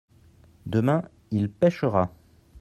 demain il pêchera.